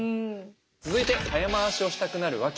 続いて「早回しをしたくなるワケ」。